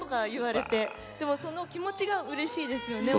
でもその気持ちがうれしいですよね。